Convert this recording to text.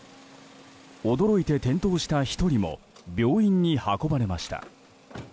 驚いて転倒した１人も病院に運ばれました。